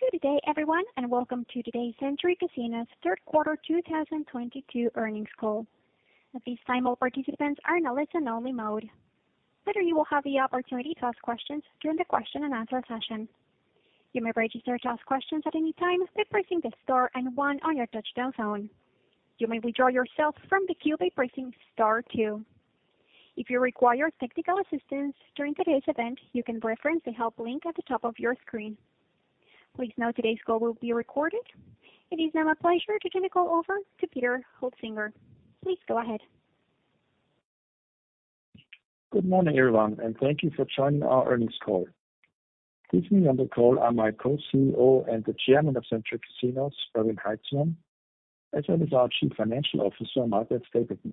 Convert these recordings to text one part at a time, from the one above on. Good day everyone, and welcome to today's Century Casinos third quarter 2022 earnings call. At this time, all participants are in a listen only mode. Later you will have the opportunity to ask questions during the question and answer session. You may register to ask questions at any time by pressing the star and one on your touchtone phone. You may withdraw yourself from the queue by pressing star two. If you require technical assistance during today's event, you can reference the help link at the top of your screen. Please note today's call will be recorded. It is now my pleasure to turn the call over to Peter Hoetzinger. Please go ahead. Good morning, everyone, and thank you for joining our earnings call. With me on the call are my Co-CEO and the Chairman of Century Casinos, Erwin Haitzmann, as well as our Chief Financial Officer, Margaret Stapleton.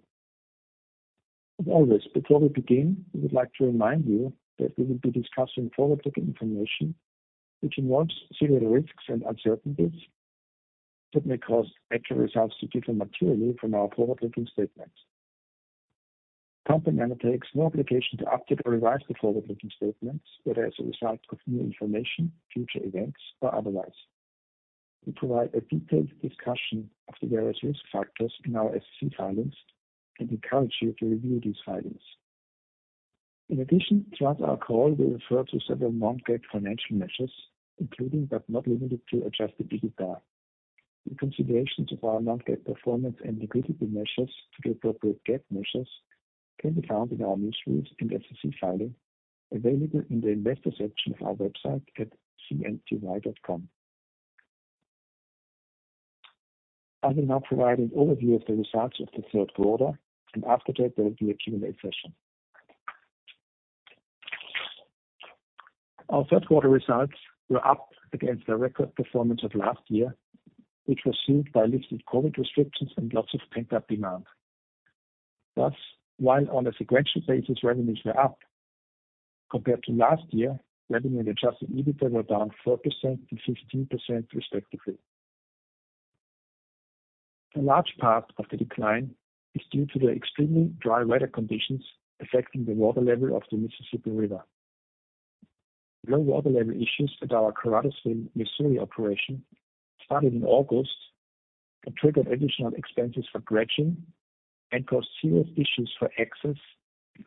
As always, before we begin, we would like to remind you that we will be discussing forward-looking information, which involves certain risks and uncertainties that may cause actual results to differ materially from our forward-looking statements. The company undertakes no obligation to update or revise the forward-looking statements, whether as a result of new information, future events, or otherwise. We provide a detailed discussion of the various risk factors in our SEC filings and encourage you to review these filings. In addition, throughout our call, we refer to several non-GAAP financial measures, including, but not limited to adjusted EBITDA. The considerations of our non-GAAP performance and liquidity measures to the appropriate GAAP measures can be found in our news feeds and SEC filing available in the investor section of our website at cnty.com. I will now provide an overview of the results of the third quarter, and after that there will be a Q&A session. Our third quarter results were up against the record performance of last year, which was fueled by lifted COVID restrictions and lots of pent-up demand. Thus, while on a sequential basis, revenues were up, compared to last year, revenue and adjusted EBITDA were down 4% and 15% respectively. A large part of the decline is due to the extremely dry weather conditions affecting the water level of the Mississippi River. Low water level issues at our Caruthersville, Missouri operation started in August and triggered additional expenses for dredging and caused serious issues for access,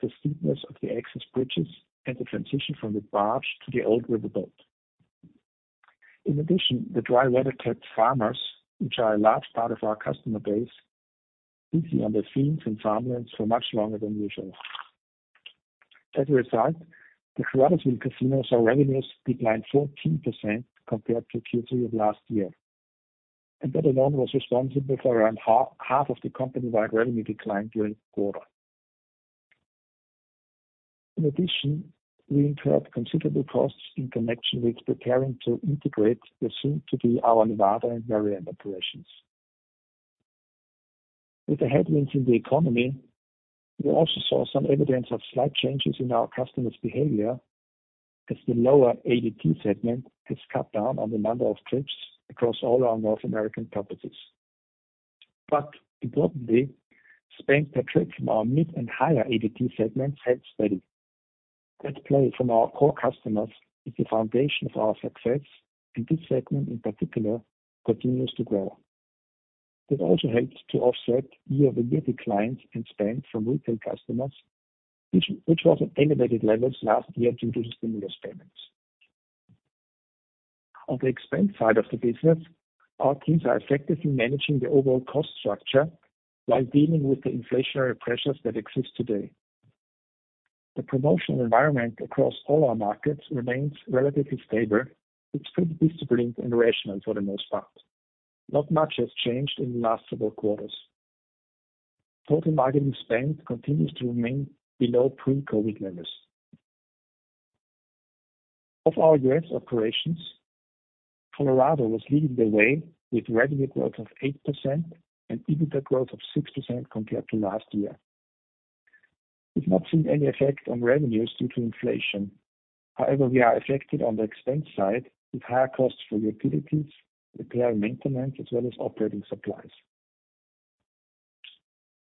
the steepness of the access bridges, and the transition from the barge to the old riverboat. In addition, the dry weather kept farmers, which are a large part of our customer base, busy on their fields and farmlands for much longer than usual. As a result, the Caruthersville casino's revenues declined 14% compared to Q3 of last year, and that alone was responsible for around half of the company-wide revenue decline during the quarter. In addition, we incurred considerable costs in connection with preparing to integrate the soon to be our Nevada and Maryland operations. With the headwinds in the economy, we also saw some evidence of slight changes in our customers' behavior as the lower ADT segment has cut down on the number of trips across all our North American properties. Importantly, spend per trip from our mid and higher ADT segments held steady. That play from our core customers is the foundation of our success, and this segment in particular continues to grow. It also helped to offset year-over-year declines in spend from retail customers, which was at elevated levels last year due to the stimulus payments. On the expense side of the business, our teams are effectively managing the overall cost structure while dealing with the inflationary pressures that exist today. The promotional environment across all our markets remains relatively stable. It's pretty disciplined and rational for the most part. Not much has changed in the last several quarters. Total marketing spend continues to remain below pre-COVID levels. Of our U.S. operations, Colorado was leading the way with revenue growth of 8% and EBITDA growth of 6% compared to last year. We've not seen any effect on revenues due to inflation. However, we are affected on the expense side with higher costs for utilities, repair and maintenance, as well as operating supplies.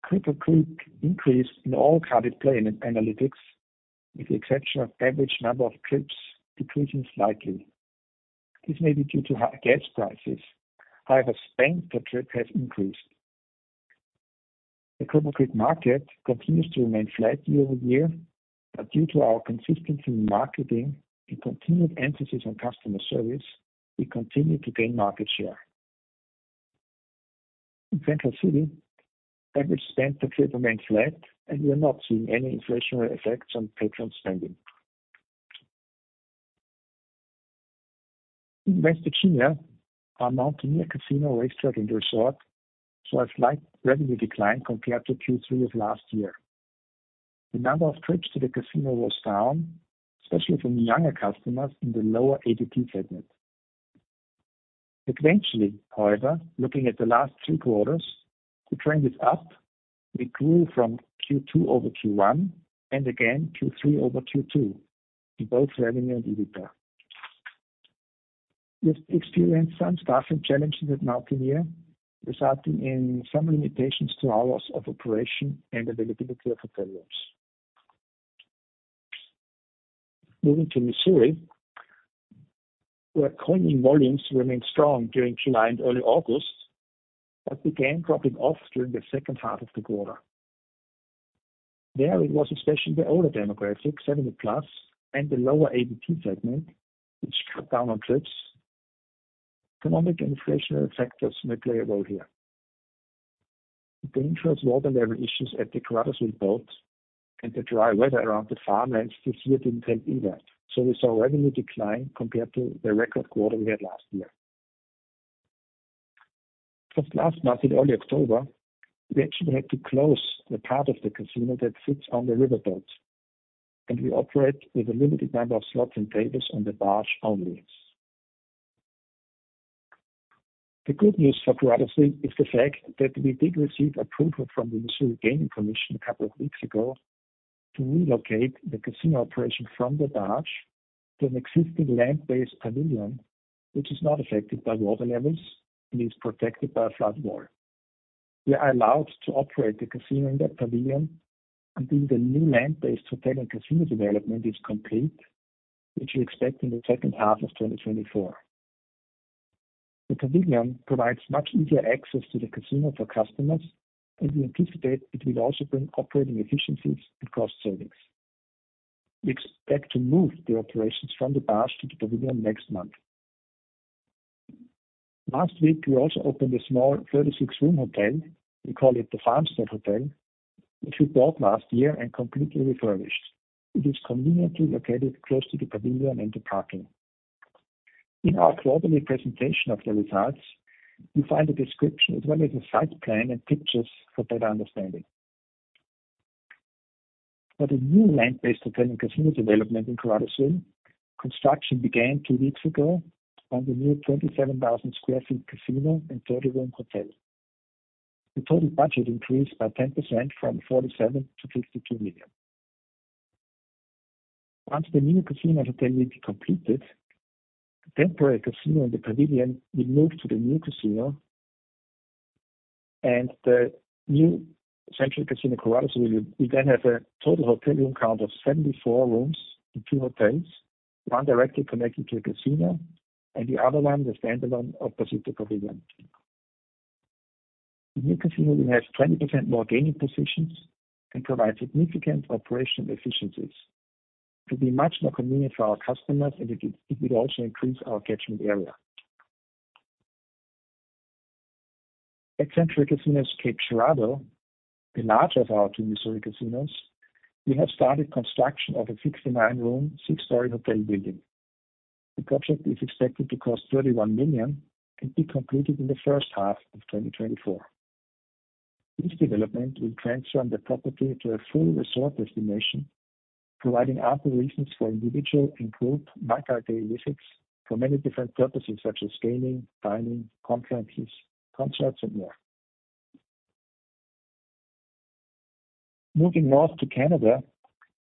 Cripple Creek increased in all carded play analytics, with the exception of average number of trips decreasing slightly. This may be due to high gas prices. However, spend per trip has increased. The Cripple Creek market continues to remain flat year-over-year, but due to our consistency in marketing and continued emphasis on customer service, we continue to gain market share. In Central City, average spend per trip remains flat, and we are not seeing any inflationary effects on patron spending. In West Virginia, our Mountaineer Casino, Racetrack & Resort saw a slight revenue decline compared to Q3 of last year. The number of trips to the casino was down, especially from younger customers in the lower ADT segment. Sequentially, however, looking at the last three quarters, the trend is up. We grew from Q2 over Q1, and again Q3 over Q2 in both revenue and EBITDA. We've experienced some staffing challenges at Mountaineer, resulting in some limitations to hours of operation and availability of hotel rooms. Moving to Missouri, where coin-in volumes remained strong during July and early August, but began dropping off during the second half of the quarter. There, it was especially the older demographic, 70+, and the lower ADT segment, which cut down on trips. Economic and inflationary factors may play a role here. The dangerous water level issues at the Caruthersville boat and the dry weather around the farmlands this year didn't help either. We saw revenue decline compared to the record quarter we had last year. Since last month, in early October, we actually had to close the part of the casino that sits on the riverboat, and we operate with a limited number of slots and tables on the barge only. The good news for Caruthersville is the fact that we did receive approval from the Missouri Gaming Commission a couple of weeks ago to relocate the casino operation from the barge to an existing land-based pavilion, which is not affected by water levels and is protected by a flood wall. We are allowed to operate the casino in that pavilion until the new land-based hotel and casino development is complete, which we expect in the second half of 2024. The pavilion provides much easier access to the casino for customers, and we anticipate it will also bring operating efficiencies and cost savings. We expect to move the operations from the barge to the pavilion next month. Last week, we also opened a small 36-room hotel. We call it The Farmstead Hotel, which we bought last year and completely refurbished. It is conveniently located close to the pavilion and the parking. In our quarterly presentation of the results, you find a description as well as a site plan and pictures for better understanding. For the new land-based hotel and casino development in Caruthersville, construction began two weeks ago on the new 27,000 sq ft casino and 30-room hotel. The total budget increased by 10% from $47 million-$52 million. Once the new casino hotel will be completed, the temporary casino in the pavilion will move to the new casino and the new Century Casino Caruthersville will then have a total hotel room count of 74 rooms in two hotels, one directly connected to a casino and the other one, the standalone opposite the pavilion. The new casino will have 20% more gaming positions and provide significant operational efficiencies. It will be much more convenient for our customers, and it will also increase our catchment area. At Century Casino Cape Girardeau, the larger of our two Missouri casinos, we have started construction of a 69-room, 6-story hotel building. The project is expected to cost $31 million and be completed in the first half of 2024. This development will transform the property to a full resort destination, providing ample reasons for individual and group multi-day visits for many different purposes, such as gaming, dining, conferences, concerts, and more. Moving north to Canada,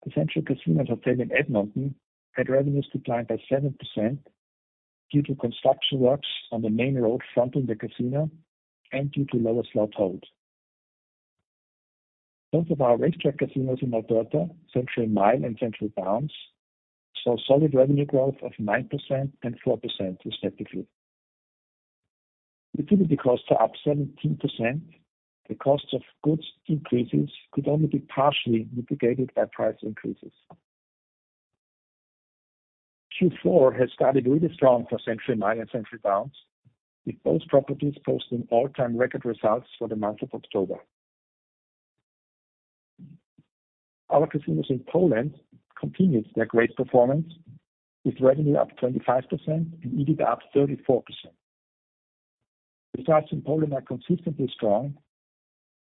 the Century Casino and Hotel in Edmonton had revenues decline by 7% due to construction works on the main road fronting the casino and due to lower slot hold. Both of our racetrack casinos in Alberta, Century Mile and Century Downs, saw solid revenue growth of 9% and 4%, respectively. Utility costs are up 17%. The cost of goods increases could only be partially mitigated by price increases. Q4 has started really strong for Century Mile and Century Downs, with both properties posting all-time record results for the month of October. Our casinos in Poland continued their great performance, with revenue up 25% and EBITDA up 34%. Results in Poland are consistently strong,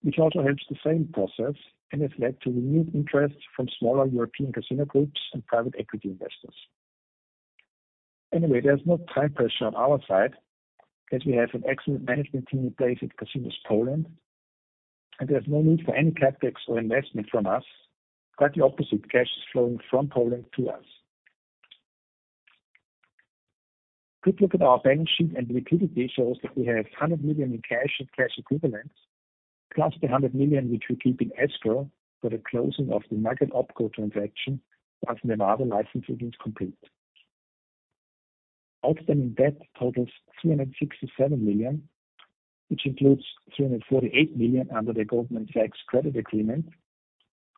which also helps the selling process and has led to renewed interest from smaller European casino groups and private equity investors. Anyway, there's no time pressure on our side, as we have an excellent management team in place at Casinos Poland, and there's no need for any CapEx or investment from us. Quite the opposite, cash is flowing from Poland to us. A quick look at our balance sheet and liquidity shows that we have $100 million in cash and cash equivalents, plus the $100 million which we keep in escrow for the closing of the Nugget OpCo transaction once the Nevada license agreement is complete. Outstanding debt totals $367 million, which includes $348 million under the Goldman Sachs credit agreement,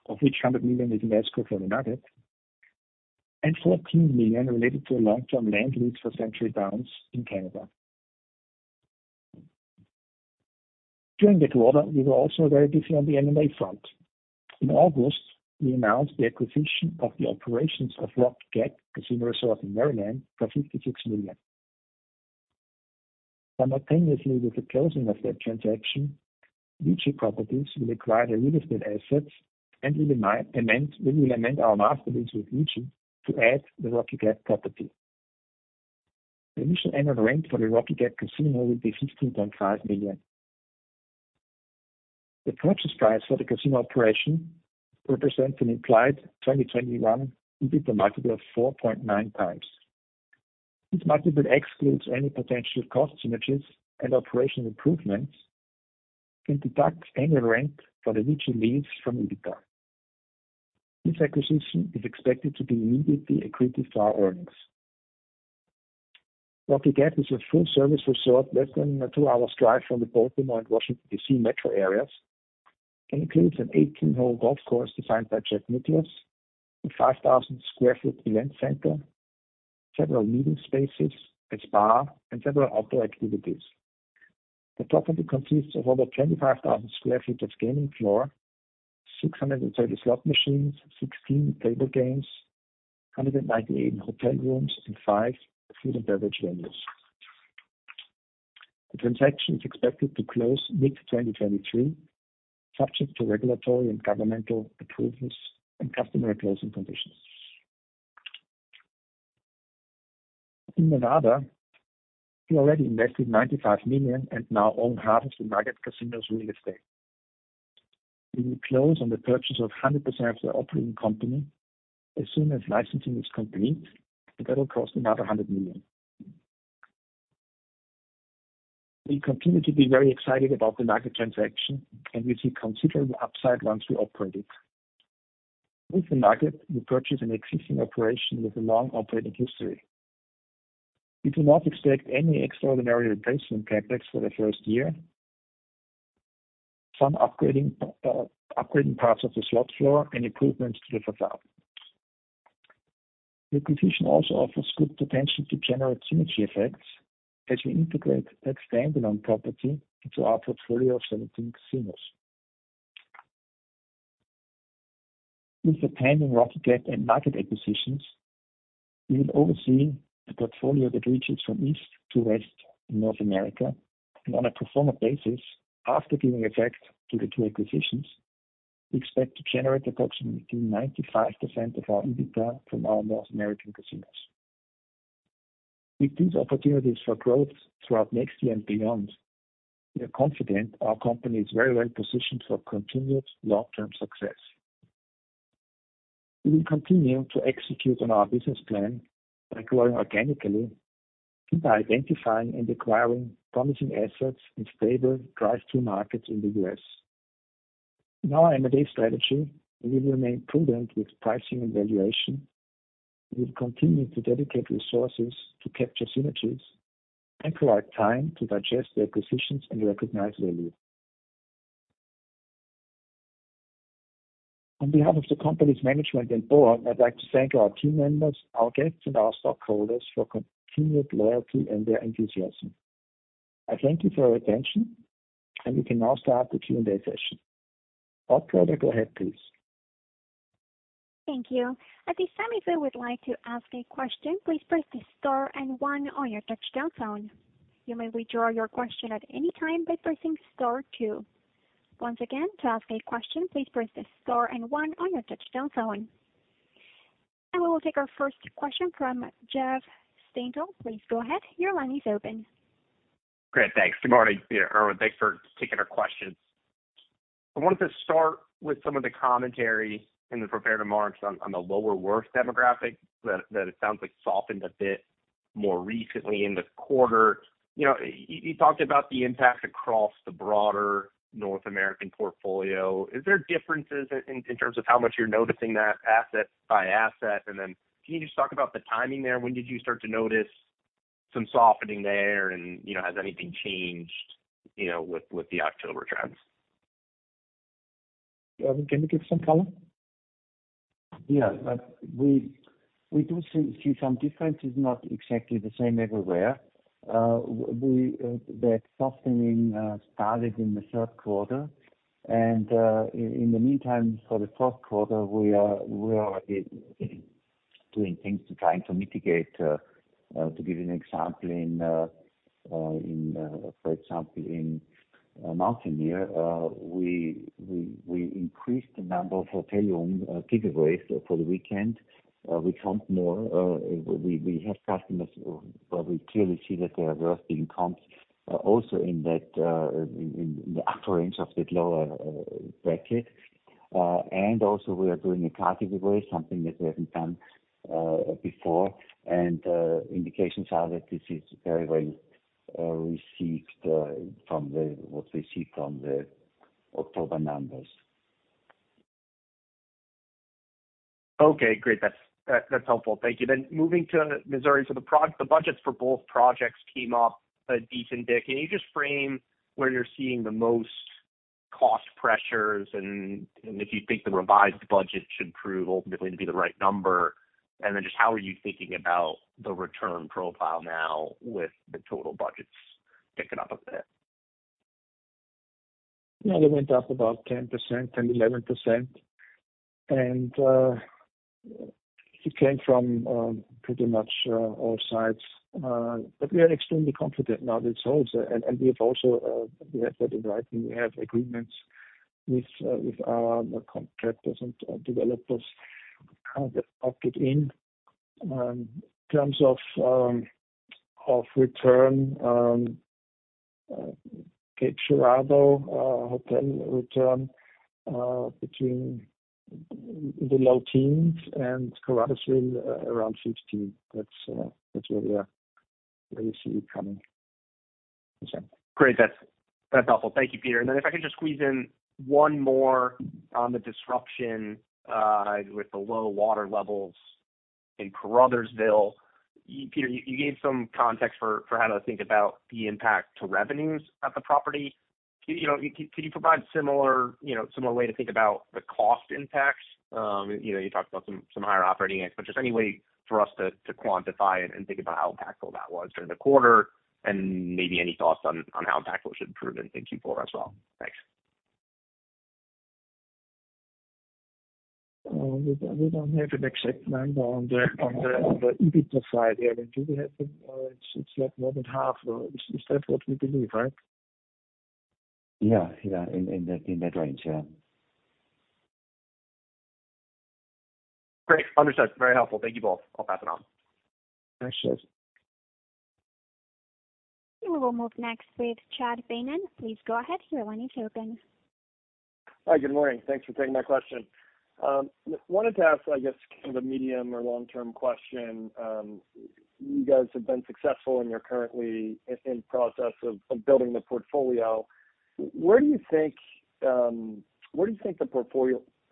of which $100 million is in escrow for the Nugget, and $14 million related to a long-term land lease for Century Downs in Canada. During the quarter, we were also very busy on the M&A front. In August, we announced the acquisition of the operations of Rocky Gap Casino Resort in Maryland for $56 million. Simultaneously with the closing of that transaction, VICI Properties will acquire the real estate assets, and we will amend our master lease with VICI to add the Rocky Gap property. The initial annual rent for the Rocky Gap Casino will be $15.5 million. The purchase price for the casino operation represents an implied 2021 EBITDA multiple of 4.9x. This multiple excludes any potential cost synergies and operational improvements. We can deduct annual rent for the regional lease from EBITDA. This acquisition is expected to be immediately accretive to our earnings. What we get is a full-service resort less than a twohour drive from the Baltimore and Washington, D.C. metro areas, and includes an 18-hole golf course designed by Jack Nicklaus, a 5,000-sq ft event center, several meeting spaces, a spa, and several outdoor activities. The property consists of over 25,000 sq ft of gaming floor, 630 slot machines, 16 table games, 198 hotel rooms, and five food and beverage venues. The transaction is expected to close mid-2023, subject to regulatory and governmental approvals and customary closing conditions. In Nevada, we already invested $95 million and now own half of the Nugget Casino's real estate. We will close on the purchase of 100% of the operating company as soon as licensing is complete, and that'll cost another $100 million. We continue to be very excited about the Nugget transaction, and we see considerable upside once we operate it. With the Nugget, we purchase an existing operation with a long operating history. We do not expect any extraordinary replacement CapEx for the first year. Some upgrading parts of the slot floor and improvements to the facade. The acquisition also offers good potential to generate synergy effects as we integrate that standalone property into our portfolio of 17 casinos. With the pending Rocky Gap and Nugget acquisitions, we will oversee a portfolio that reaches from east to west in North America. On a pro forma basis, after giving effect to the two acquisitions, we expect to generate approximately 95% of our EBITDA from our North American casinos. With these opportunities for growth throughout next year and beyond, we are confident our company is very well-positioned for continued long-term success. We will continue to execute on our business plan by growing organically and by identifying and acquiring promising assets in stable drive-through markets in the U.S. In our M&A strategy, we will remain prudent with pricing and valuation. We will continue to dedicate resources to capture synergies and provide time to digest the acquisitions and recognize value. On behalf of the company's management and board, I'd like to thank our team members, our guests, and our stockholders for continued loyalty and their enthusiasm. I thank you for your attention, and we can now start the Q&A session. Operator, go ahead, please. Thank you. At this time, if you would like to ask a question, please press star and one on your touchtone phone. You may withdraw your question at any time by pressing star two. Once again, to ask a question, please press star and one on your touchtone phone. We will take our first question from Jeff Stantial. Please go ahead. Your line is open. Great. Thanks. Good morning to you, Erwin. Thanks for taking our questions. I wanted to start with some of the commentary in the prepared remarks on the lower worth demographic that it sounds like softened a bit more recently in the quarter. You know, you talked about the impact across the broader North American portfolio. Is there differences in terms of how much you're noticing that asset by asset? And then can you just talk about the timing there? When did you start to notice some softening there? And, you know, has anything changed, you know, with the October trends? Erwin, can you give some color? Yeah. We do see some differences, not exactly the same everywhere. That softening started in the third quarter. In the meantime, for the fourth quarter, we are doing things trying to mitigate. To give you an example, for example, in Mountaineer, we increased the number of hotel room giveaways for the weekend. We count more, we have customers where we clearly see that they are worth being counted, also in that, in the upper range of that lower bracket. Also we are doing a car giveaway, something that we haven't done before. Indications are that this is very well received from what we see from the October numbers. Okay, great. That's helpful. Thank you. Moving to Missouri. The budgets for both projects came up a decent bit. Can you just frame where you're seeing the most cost pressures and if you think the revised budget should prove ultimately to be the right number? Just how are you thinking about the return profile now with the total budgets ticking up a bit? Yeah, they went up about 10%, 10%-11%. It came from pretty much all sides. But we are extremely confident now that it's also. We have also that in writing. We have agreements with our contractors and developers that are locked in. In terms of return, Cape Girardeau hotel return between the low teens% and Caruthersville around 15%. That's where we are, where we see it coming. Great. That's helpful. Thank you, Peter. If I can just squeeze in one more on the disruption with the low water levels in Caruthersville. Peter, you gave some context for how to think about the impact to revenues at the property. You know, can you provide similar way to think about the cost impacts? You know, you talked about some higher operating expenses, but just any way for us to quantify and think about how impactful that was during the quarter and maybe any thoughts on how impactful it should improve in Q4 as well. Thanks. We don't have an exact number on the EBITDA side there. Do we have it? It's like more than half. Is that what we believe, right? Yeah. In that range. Yeah. Great. Understood. Very helpful. Thank you both. I'll pass it on. Thanks, Chad. We will move next with Chad Beynon. Please go ahead. Your line is open. Hi, good morning. Thanks for taking my question. Wanted to ask, I guess, kind of a medium or long-term question. You guys have been successful and you're currently in process of building the portfolio. Where do you think the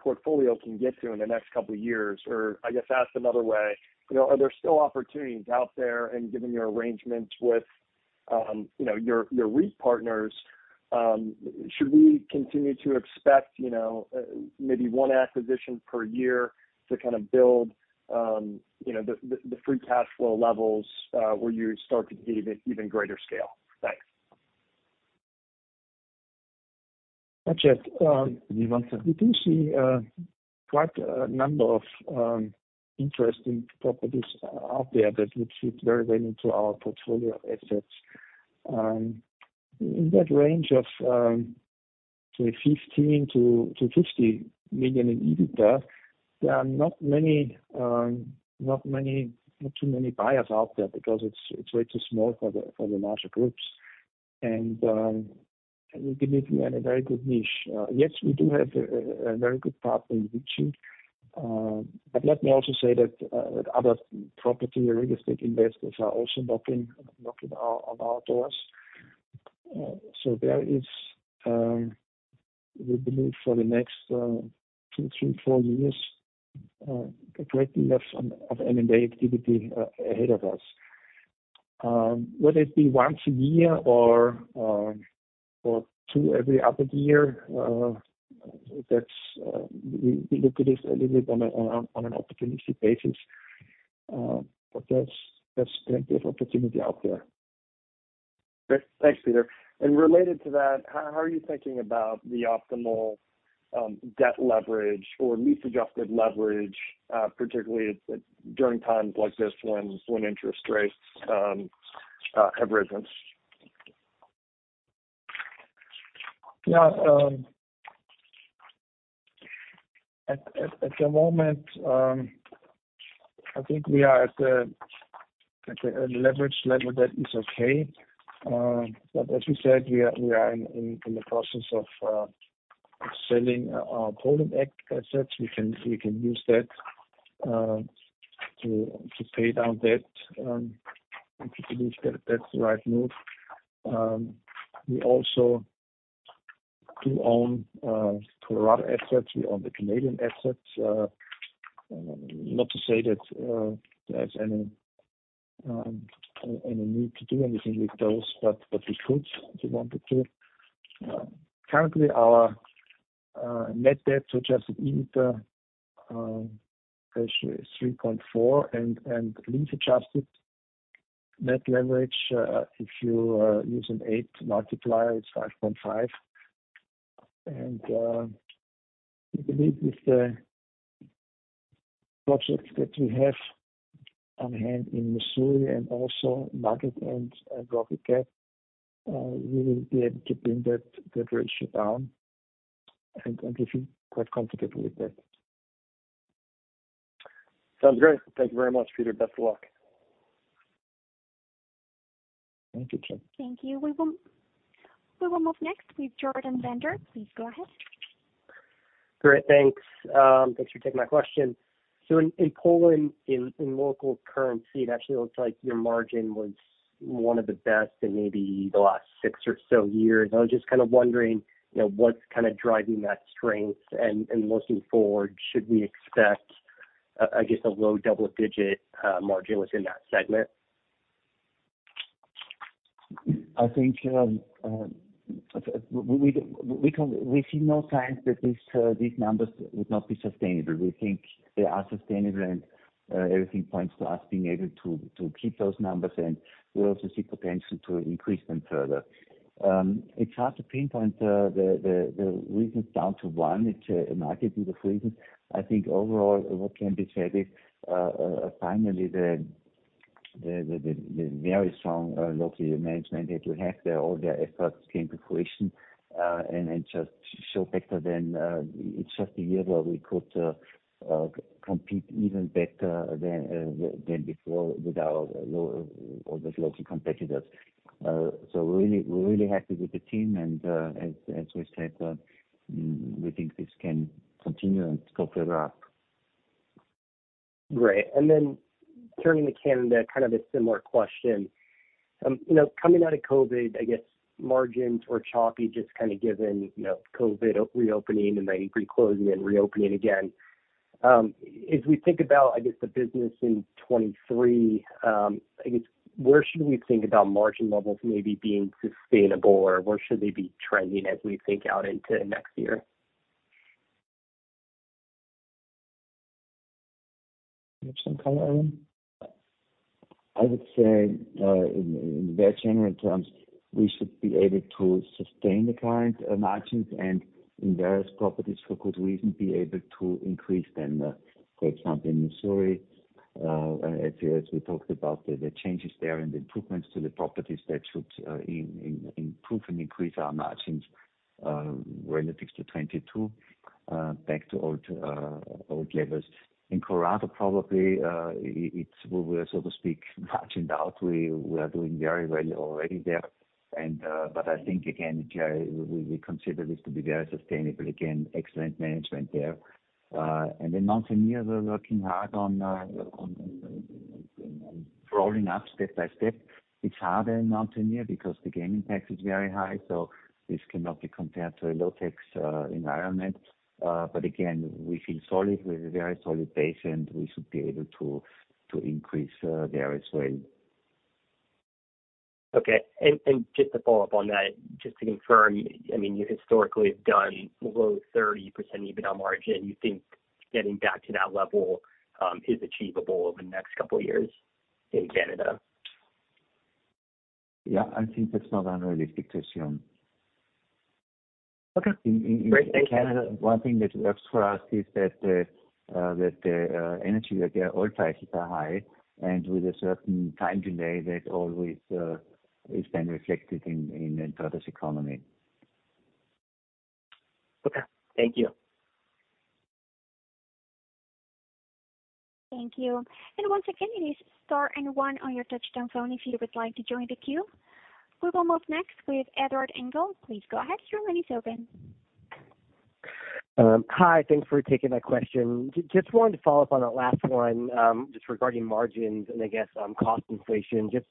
portfolio can get to in the next couple of years? Or I guess asked another way, you know, are there still opportunities out there and given your arrangements with, you know, your REIT partners, should we continue to expect, you know, maybe one acquisition per year to kind of build, you know, the free cash flow levels, where you start to gain even greater scale? Thanks. Hi, Chad. Hi, Beynon. We do see quite a number of interesting properties out there that would fit very well into our portfolio of assets. In that range of say $15 million-$50 million in EBITDA, there are not too many buyers out there because it's way too small for the larger groups. We believe we are in a very good niche. Yes, we do have a very good partner in VICI. Let me also say that other property or real estate investors are also knocking on our doors. There is, we believe, for the next two, three, four years a great deal of M&A activity ahead of us. Whether it be once a year or two every other year, that's, we look at this a little bit on an opportunity basis. That's the great opportunity out there. Great. Thanks, Peter. Related to that, how are you thinking about the optimal debt leverage or lease-adjusted leverage, particularly during times like this when interest rates have risen? Yeah. At the moment, I think we are at the leverage level that is okay. As we said, we are in the process of selling our Polish assets. We can use that to pay down debt. We believe that that's the right move. We also do own Colorado assets. We own the Canadian assets. Not to say that there's any need to do anything with those, but we could if we wanted to. Currently our net debt to adjusted EBITDA ratio is 3.4, and lease-adjusted net leverage, if you use an 8x multiplier, it's 5.5. We believe with the projects that we have on hand in Missouri and also Mountaineer and Rocky Gap, we will be able to bring that ratio down and we feel quite comfortable with that. Sounds great. Thank you very much, Peter. Best of luck. Thank you, Chad. Thank you. We will move next with Jordan Bender. Please go ahead. Great. Thanks. Thanks for taking my question. In Poland, in local currency, it actually looks like your margin was one of the best in maybe the last six or so years. I was just kind of wondering, you know, what's kind of driving that strength? Looking forward, should we expect, I guess, a low double-digit margin within that segment? I think we see no signs that these numbers would not be sustainable. We think they are sustainable and everything points to us being able to keep those numbers, and we also see potential to increase them further. It's hard to pinpoint the reasons down to one. It's a multitude of reasons. I think overall what can be said is finally the very strong local management that we have there, all their efforts came to fruition, and then just show better than it's just a year where we could compete even better than before with all those local competitors. We're really happy with the team, and as we said, we think this can continue and go further up. Great. Turning to Canada, kind of a similar question. You know, coming out of COVID, I guess margins were choppy, just kinda given, you know, COVID reopening and then reclosing and reopening again. As we think about, I guess, the business in 2023, I guess where should we think about margin levels maybe being sustainable or where should they be trending as we think out into next year? You have some color on them? I would say, in very general terms, we should be able to sustain the current margins and in various properties for good reason be able to increase them. For example, in Missouri, as we talked about the changes there and the improvements to the properties that should improve and increase our margins relative to 2022 back to old levels. In Colorado, probably, it's where we're, so to speak, margined out. We are doing very well already there. I think, again, we consider this to be very sustainable. Again, excellent management there. Mountaineer, we're working hard on crawling up step by step. It's harder in Mountaineer because the gaming tax is very high, so this cannot be compared to a low tax environment. Again, we feel solid. We have a very solid base, and we should be able to increase there as well. Okay. Just to follow up on that, just to confirm, I mean, you historically have done below 30% EBITDA margin. You think getting back to that level is achievable over the next couple of years in Canada? Yeah, I think that's not unrealistic to assume. Okay. Great. Thank you. In Canada, one thing that works for us is that the energy, like, the oil prices are high, and with a certain time delay that always is then reflected in the entire economy. Okay. Thank you. Thank you. Once again, it is star and one on your touch-tone phone if you would like to join the queue. We will move next with Ed Engel. Please go ahead. Your line is open. Hi. Thanks for taking my question. Just wanted to follow up on that last one, just regarding margins and I guess, cost inflation. Just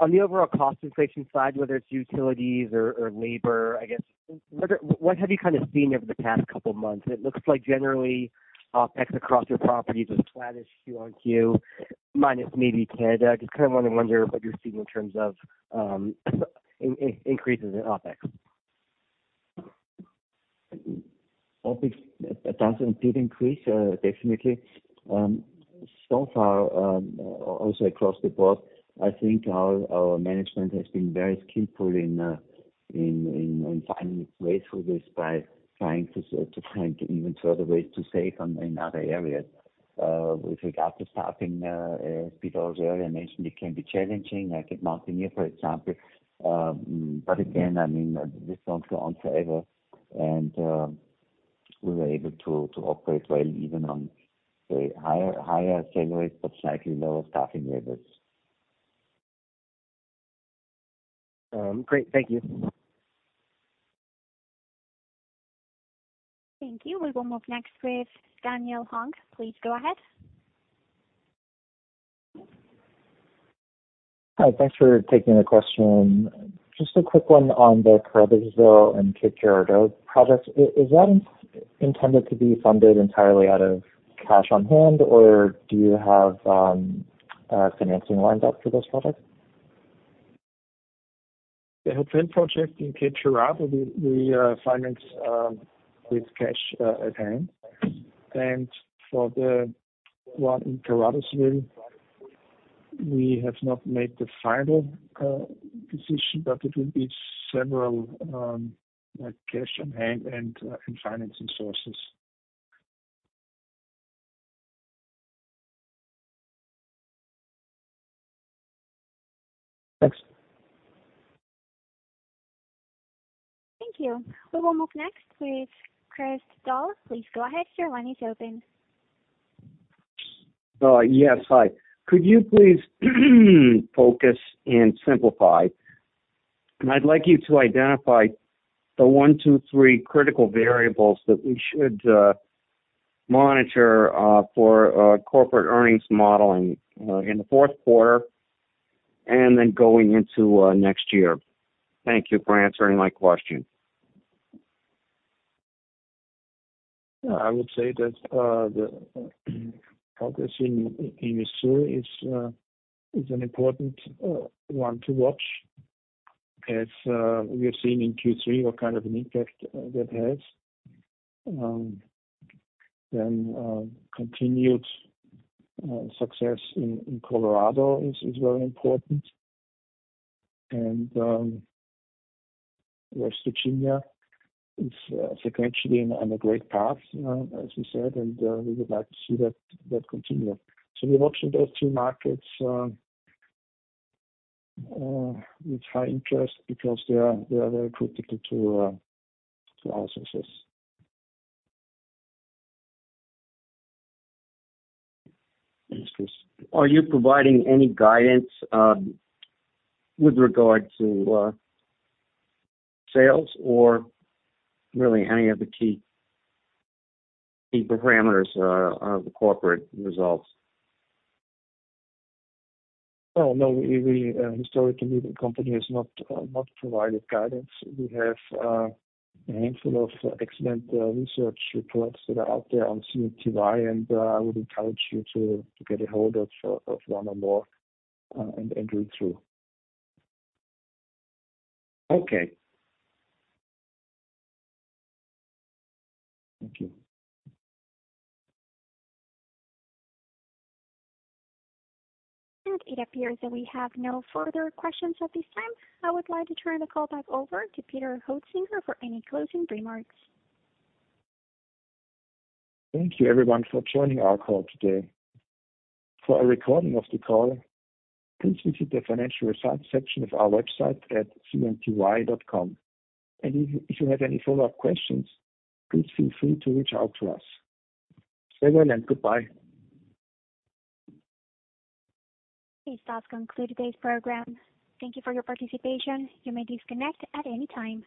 on the overall cost inflation side, whether it's utilities or labor, I guess I wonder what you've kind of seen over the past couple months? It looks like generally OpEx across your properties is flattish quarter-over-quarter, minus maybe Canada. Just kind of wanting to wonder what you're seeing in terms of increases in OpEx. OpEx does indeed increase, definitely. So far, also across the board, I think our management has been very skillful in finding ways for this by trying to find even further ways to save in other areas. With regard to staffing, as Peter also earlier mentioned, it can be challenging, like at Mountaineer, for example. Again, I mean, this won't go on forever. We were able to operate well even on, say, higher salaries but slightly lower staffing levels. Great. Thank you. Thank you. We will move next with Daniel Hong. Please go ahead. Hi. Thanks for taking the question. Just a quick one on the Caruthersville and Cape Girardeau projects. Is that intended to be funded entirely out of cash on hand, or do you have financing lined up for those projects? The hotel project in Cape Girardeau, we finance with cash at hand. For the one in Caruthersville, we have not made the final decision, but it will be several like cash on hand and financing sources. Thanks. Thank you. We will move next with Chris Stoll. Please go ahead. Your line is open. Yes. Hi. Could you please focus and simplify? I'd like you to identify the one, two, three critical variables that we should monitor for corporate earnings modeling in the fourth quarter and then going into next year. Thank you for answering my question. Yeah. I would say that the progress in Missouri is an important one to watch as we've seen in Q3 what kind of an impact that has. Continued success in Colorado is very important. West Virginia is sequentially on a great path as you said, and we would like to see that continue. We watch those two markets with high interest because they are very critical to our success. Are you providing any guidance with regard to sales or really any of the key parameters of the corporate results? Oh, no. We historically the company has not provided guidance. We have a handful of excellent research reports that are out there on CNTY, and I would encourage you to get a hold of one or more, and read through. Okay. Thank you. It appears that we have no further questions at this time. I would like to turn the call back over to Peter Hoetzinger for any closing remarks. Thank you everyone for joining our call today. For a recording of the call, please visit the financial results section of our website at cnty.com. If you have any follow-up questions, please feel free to reach out to us. Stay well, and goodbye. This does conclude today's program. Thank you for your participation. You may disconnect at any time.